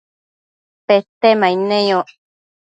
Petemaid neyoc